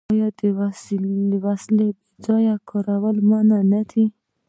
آیا د وسلې بې ځایه کارول منع نه دي؟